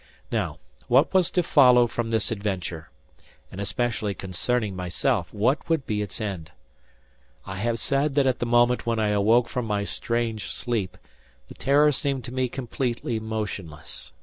Now, what was to follow from this adventure? And especially concerning myself, what would be its end? I have said that at the moment when I awoke from my strange sleep, the "Terror" seemed to me completely motionless.